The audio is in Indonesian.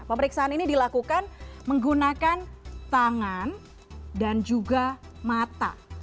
pemeriksaan ini dilakukan menggunakan tangan dan juga mata